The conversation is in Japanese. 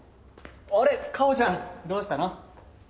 あれ夏帆ちゃんどうしたの？